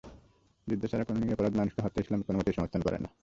যুদ্ধ ছাড়া কোনো নিরপরাধ মানুষকে হত্যা ইসলাম কোনোমতেই সমর্থন করে না।